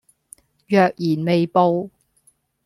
若然未報